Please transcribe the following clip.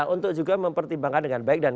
untuk juga mempertimbangkan dengan baik dan